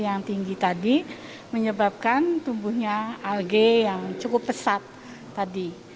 yang tinggi tadi menyebabkan tumbuhnya alge yang cukup pesat tadi